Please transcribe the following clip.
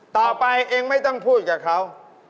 ต่อไปเองไม่ต้องพูดกับเขา